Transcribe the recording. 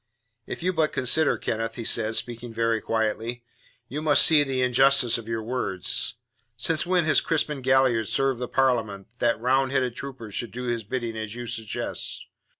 "If you but consider, Kenneth," he said, speaking very quietly, "you must see the injustice of your words. Since when has Crispin Galliard served the Parliament, that Roundhead troopers should do his bidding as you suggest?